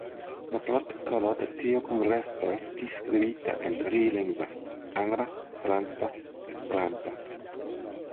La protokolo de tiu kongreso estis skribita en tri lingvoj: angla, franca, esperanta.